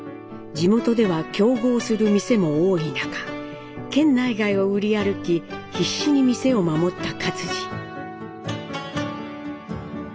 地元では競合する店も多い中県内外を売り歩き必死に店を守った克爾。